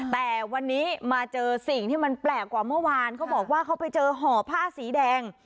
แต่วันนี้มาเจอสิ่งที่มันแปลกกว่าเมื่อวานเขาบอกว่าเขาไปเจอห่อผ้าสีแดง